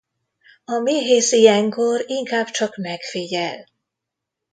A méhész ilyenkor inkább csak megfigyel.